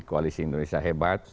koalisi indonesia hebat